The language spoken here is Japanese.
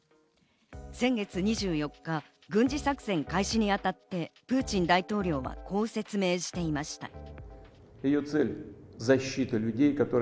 先月２４日、軍事作戦開始にあたってプーチン大統領はこう説明していました。